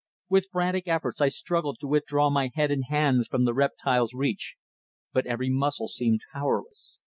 With frantic efforts I struggled to withdraw my head and hands from the reptile's reach, but every muscle seemed powerless.